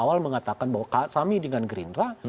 dari awal mengatakan bahwa ksami dengan gerindra